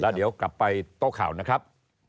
เดี๋ยวกลับไปโต๊ะข่าวนะครับ